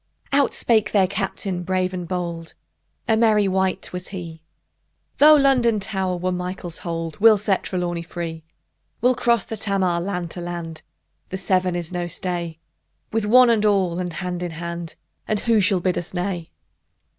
Out spake their Captain brave and bold: A merry wight was he: Though London Tower were Michael's hold, We'll set Trelawny free! We'll cross the Tamar, land to land: The Severn is no stay: With "one and all," and hand in hand; And who shall bid us nay?